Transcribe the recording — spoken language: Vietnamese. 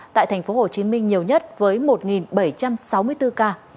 tại thành phố hồ chí minh nhiều nhất với một bảy trăm sáu mươi bốn ca